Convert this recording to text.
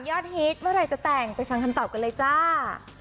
ฮิตเมื่อไหร่จะแต่งไปฟังคำตอบกันเลยจ้า